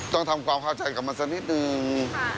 ต้องทำความเข้าใจกับมันสักนิดนึง